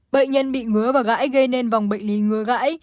bệnh nhân bị ngứa và gãi gây nên vòng bệnh lý ngứa gãi